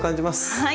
はい。